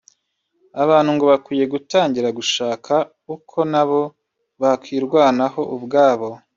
abantu ngo bakwiye gutangira gushaka uko nabo bakwirwanaho ubwabo